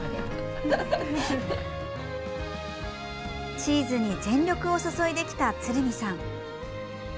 チーズに全力を注いできた鶴見さん。